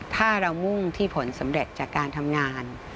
ถ้าเรามุ่งที่ผลสำเร็จจากการทำงาน